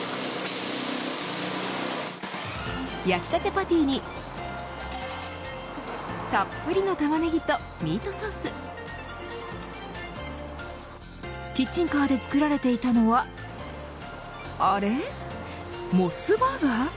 焼きたてパティにたっぷりのタマネギとミートソースキッチンカーで作られていたのはあれっ、モスバーガー。